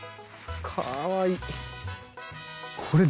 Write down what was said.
かわいい。